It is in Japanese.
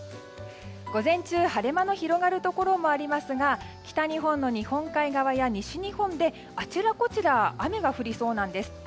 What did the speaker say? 午前中、晴れ間の広がるところもありますが北日本の日本海側や西日本であちらこちらで雨が降りそうなんです。